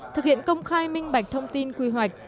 thực hiện công khai minh bạch thông tin quy hoạch